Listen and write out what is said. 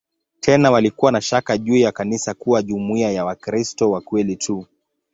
Tena walikuwa na shaka juu ya kanisa kuwa jumuiya ya "Wakristo wa kweli tu".